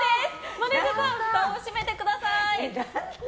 マネジャーさんふたを閉めてください。